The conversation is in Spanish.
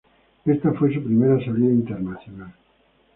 Ésta fue su primera salida internacional.